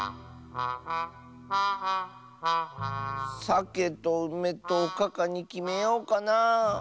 さけとうめとおかかにきめようかなあ。